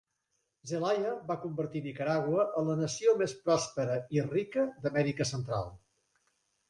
Zelaya va convertir Nicaragua en la nació més pròspera i rica d'Amèrica Central.